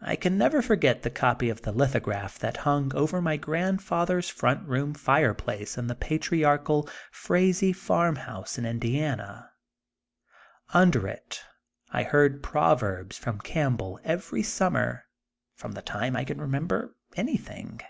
I can never forget the copy of the litho graph that hung over my grandmother's front room fireplace in the patriarchal Fra zee farm house in Indiana. Under it I heard proverbs from Campbell every summer, from the time I can remember anything.